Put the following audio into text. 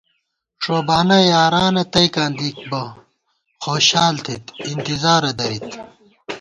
ݭوبانہ یارانہ تئیکاں دِک بہ خوشال تھِت اِنتِظارہ درِت